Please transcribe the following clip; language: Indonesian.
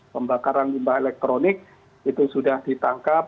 pembakaran limbah elektronik itu sudah ditangkap